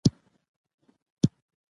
ستا د مالت مي زولنې په پښو کي نه منلې